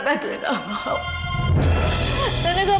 tante nggak mau